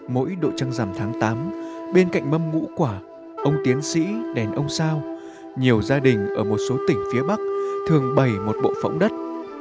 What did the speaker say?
mỗi độ trăng rằm tháng tám bên cạnh mâm ngũ quả ông tiến sĩ đèn ông sao nhiều gia đình ở một số tỉnh phía bắc thường bày một bộ phẫu đất